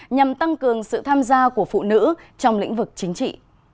nhằm tăng cường sự tham gia của phụ nữ trong lĩnh vực chính trị